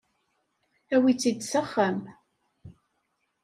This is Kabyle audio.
Awi-tt-id s axxam.